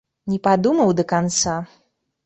Не падумаў да канца.